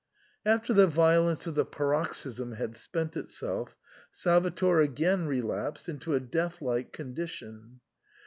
After the violence of the paroxysm had spent itself, Salvator again relapsed into a death like condition.